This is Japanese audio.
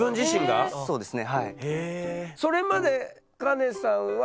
そのそうですね。